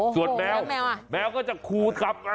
ส่วนแมวแมวก็จะคู่กับ